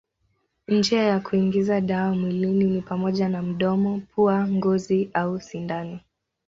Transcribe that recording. Njia za kuingiza dawa mwilini ni pamoja na mdomo, pua, ngozi au sindano.